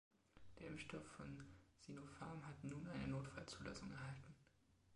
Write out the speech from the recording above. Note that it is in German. Der Impfstoff von Sinopharm hat nun eine Notfallzulassung erhalten.